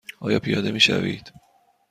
آیا پیاده می شوید؟